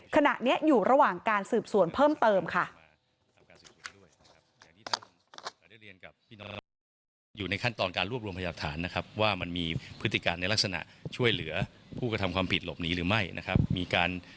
ขณะนี้อยู่ระหว่างการสืบสวนเพิ่มเติมค่ะ